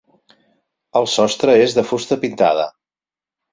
El sostre és de fusta pintada.